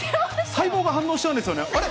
細胞が反応しちゃうんですよね、あれ？